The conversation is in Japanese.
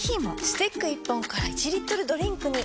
スティック１本から１リットルドリンクに！